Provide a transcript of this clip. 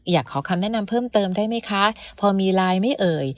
อยากขอคำแนะนำเพิ่มเติมได้ไหมคะพอมีไลน์ไม่เอ่ย